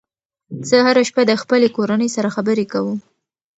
زه هره شپه د خپلې کورنۍ سره خبرې کوم.